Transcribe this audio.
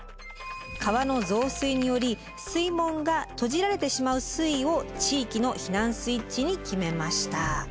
川の増水により水門が閉じられてしまう水位を地域の避難スイッチに決めました。